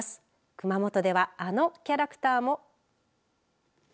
熊本では、あのキャラクターも。